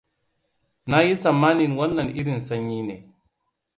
Na yi tsammani wannan irin sanyi ne.